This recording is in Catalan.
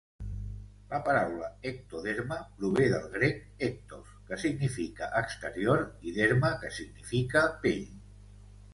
La paraula "ectoderma" prové del grec "ektos", que significa "exterior", i "derma", que significa "pell".